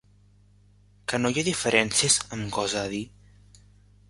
Que no hi ha diferencies, em gosa a dir?